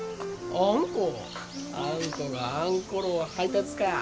あんこがあんころを配達か。